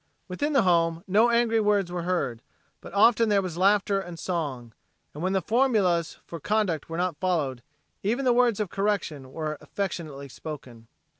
Within the home, no angry words were heard, but often there was laughter and song, and when the formulas for conduct were not followed, even the words of correction were affectionately spoken.